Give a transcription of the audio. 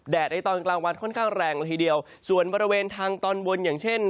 ในตอนกลางวันค่อนข้างแรงละทีเดียวส่วนบริเวณทางตอนบนอย่างเช่น